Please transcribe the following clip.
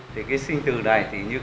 thì cái sinh tử này